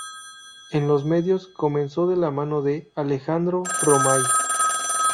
En los medios, comenzó de la mano de Alejandro Romay.